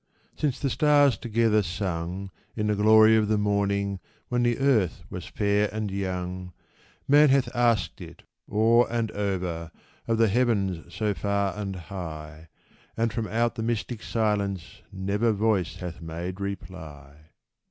Since the stars together sung, In the glory of the morning, when the earth was fair and young, Man hath asked it o'er and over, of the heavens so far and high, And from out the mystic silence never voice hath made reply